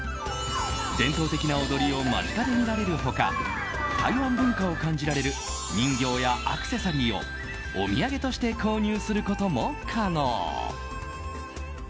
伝統的な踊りを間近で見られる他台湾文化を感じられる人形やアクセサリーをお土産として購入することも可能。